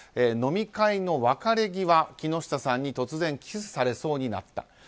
飲み会の別れ際、木下さんに突然キスされそうになった。